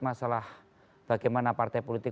masalah bagaimana partai politik